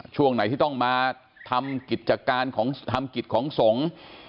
ช่วงไหนที่ต้องมาทำกิจการของทำกิจของสงฆ์